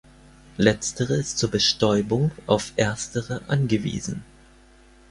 Letztere ist zur Bestäubung auf Erstere angewiesen.